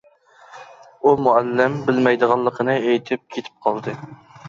ئۇ مۇئەللىم بىلمەيدىغانلىقىنى ئېيتىپ كېتىپ قالدى.